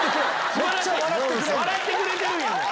笑ってくれてるんやもん！